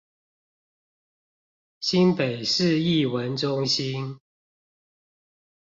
新北市藝文中心